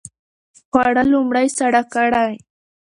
خواړه لومړی ساړه کړئ.